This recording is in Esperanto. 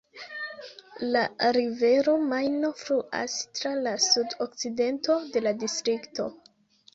La rivero Majno fluas tra la sud-okcidento de la distrikto.